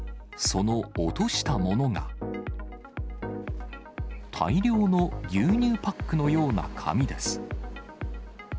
その落とした物が大量の牛乳パックのような紙です。